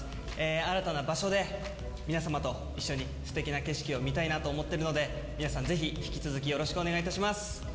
新たな場所で皆様と一緒にすてきな景色を見たいなと思っているので、皆さん、ぜひ引き続きよろしくお願いいたします。